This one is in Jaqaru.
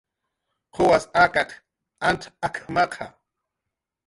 "¿Quwas akaq antz ak""maqa? "